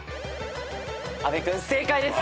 阿部君正解です。